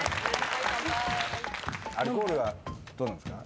アルコールはどうなんですか？